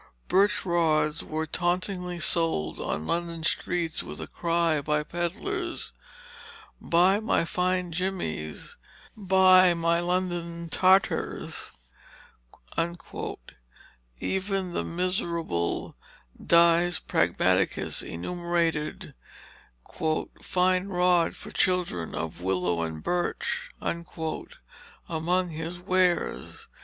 Birch rods were tauntingly sold on London streets with a cry by pedlers of "Buy my fine Jemmies; Buy my London Tartars." Even that miserable Dyves Pragmaticus enumerated "Fyne Rod for Children of Wyllow and Burche" among his wares.